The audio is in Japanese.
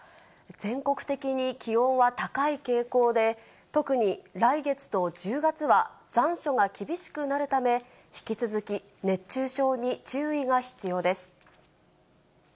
全国的に気温は高い傾向で、特に来月と１０月は、残暑が厳しくなるため、引き続き熱中症に注意が必要です。